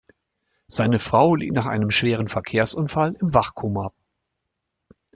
Seine Frau liegt nach einem schweren Verkehrsunfall im Wachkoma.